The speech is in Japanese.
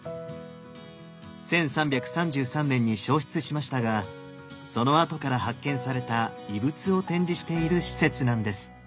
１３３３年に焼失しましたがその跡から発見された遺物を展示している施設なんです。